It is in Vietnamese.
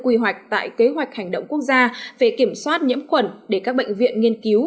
quy hoạch tại kế hoạch hành động quốc gia về kiểm soát nhiễm khuẩn để các bệnh viện nghiên cứu